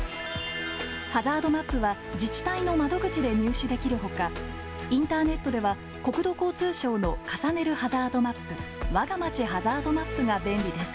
ハザードマップは自治体の窓口で入手できるほか、インターネットでは国土交通省の重ねるハザードマップ、わがまちハザードマップが便利です。